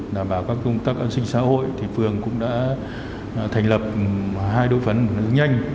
đảm bảo các công tác an sinh xã hội thì phường cũng đã thành lập hai đối phấn đấu nhanh